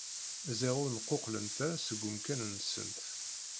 Ziɣ ur nquqlent ara seg umkan-nsent.